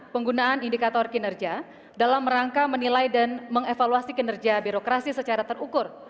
penggunaan indikator kinerja dalam rangka menilai dan mengevaluasi kinerja birokrasi secara terukur